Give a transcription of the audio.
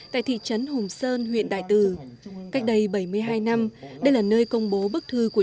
tại thị trấn hùng sơn huyện đại từ cách đây bảy mươi hai năm đây là nơi công bố bức thư của